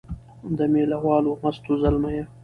د مېله والو مستو زلمیو